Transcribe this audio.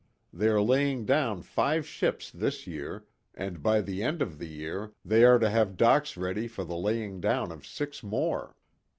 They are laying down five ships this year, and, by the end of the year, they are to have docks ready for the laying down of six more.